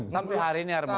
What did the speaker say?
sampai hari ini harmonis